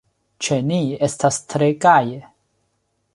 Ĉe ni estas tre gaje.